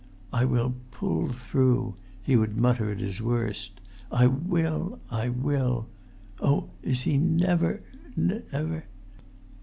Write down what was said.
"I will pull through," he would mutter at his worst. "I will—I will ... Oh, is he never, never